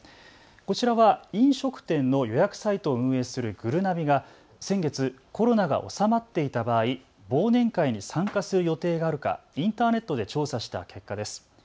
こちらは飲食店の予約サイトを運営するぐるなびが先月、コロナが収まっていた場合、忘年会に参加する予定があるかインターネットで調査した結果です。